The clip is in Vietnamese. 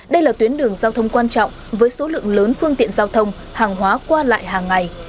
đây là tuyến đường giao thông quan trọng với số lượng lớn phương tiện giao thông hàng hóa qua lại hàng ngày